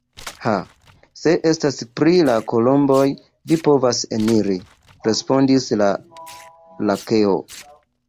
Ha! se estas pri la kolomboj vi povas eniri, respondis la lakeo.